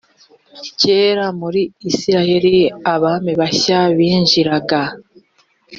kera muri isirayeli abami bashya binjiraga